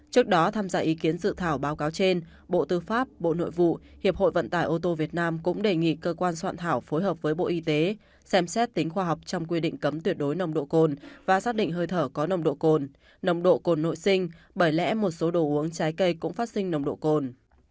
trước đó tham gia ý kiến dự thảo báo cáo trên bộ tư pháp bộ nội vụ hiệp hội vận tải ô tô việt nam cũng đề nghị cơ quan soạn thảo phối hợp với bộ y tế xem xét tính khoa học trong quy định cấm tuyệt đối nồng độ cồn và xác định hơi thở có nồng độ cồn nồng độ cồn nội sinh bởi lẽ một số đồ uống trái cây cũng phát sinh nồng độ cồn